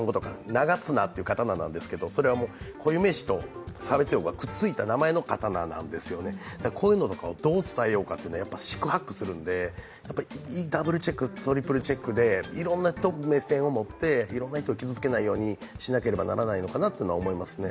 長綱という刀なんですけど、それは固有名詞と差別用語がくっついた名前の刀なんですよね、こういうのをどう伝えようかというのは四苦八苦するんで、ダブルチェック、トリプルチェックでいろんな目線でいろんな人を傷つけないようにしないといけないなと思いますね。